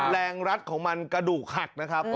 รัดของมันกระดูกหักนะครับ